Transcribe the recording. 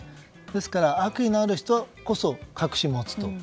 ですから、悪意を持つ人こそ隠し持つと。